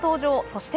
そして